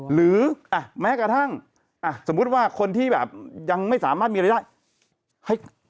หรือแม้กระทั่งสมมุติว่าคนที่แบบยังไม่สามารถมีรายได้